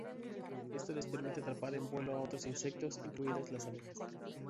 Esto les permite atrapar en vuelo a otros insectos, incluidas las abejas.